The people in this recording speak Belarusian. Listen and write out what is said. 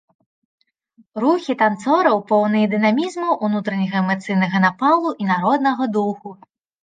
Рухі танцораў поўныя дынамізму, унутранага эмацыйнага напалу і народнага духу.